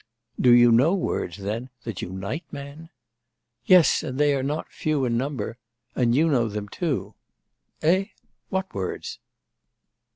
'Do you know words, then, that unite men?' 'Yes; and they are not few in number; and you know them, too.' 'Eh? What words?